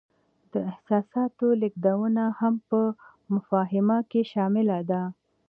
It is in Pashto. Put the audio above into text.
د احساساتو لیږدونه هم په مفاهمه کې شامله ده.